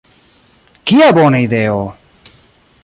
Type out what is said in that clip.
Kia bona ideo!